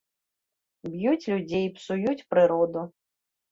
Б'юць людзей, псуюць прыроду.